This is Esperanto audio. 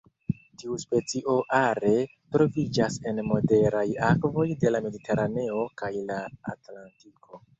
Tiu specio are troviĝas en moderaj akvoj de la Mediteraneo kaj la Atlantiko.